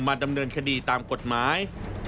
ดำเนินคดีตามกฎหมาย